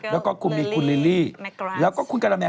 แล้วก็คุณมีคุณลิลลี่แล้วก็คุณกะละแมน